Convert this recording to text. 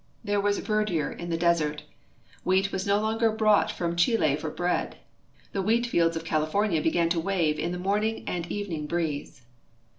There was verdure in the desert. Wheat was no longer brought from Chili for bread. The wheat fields of California began to wave in the morning and evening breeze.